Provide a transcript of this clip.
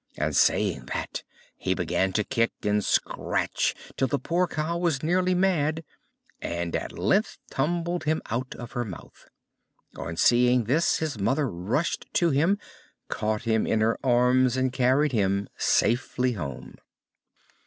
And, saying that, he began to kick and scratch till the poor cow was nearly mad, and at length tumbled him out of her mouth. On seeing this, his mother rushed to him, caught him in her arms, and carried him safely home.